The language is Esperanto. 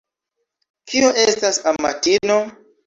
Kio estas amatino?